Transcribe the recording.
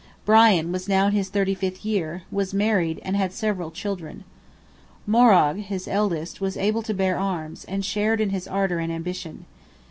Brian was now in his thirty fifth year, was married, and had several children. Morrogh, his eldest, was able to bear arms, and shared in his ardour and ambition.